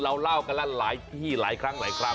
เล่ากันแล้วหลายที่หลายครั้งหลายคราว